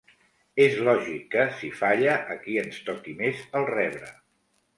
És lògic que, si falla, aquí ens toqui més el rebre.